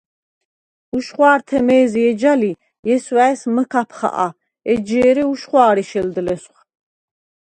უშხვა̄რთე მე̄ზი ეჯა ლი, ჲესვა̄̈ჲს მჷქაფ ხაყა, ეჯჟ’ ე̄რე უშხვა̄რი შელდ ლესვხ.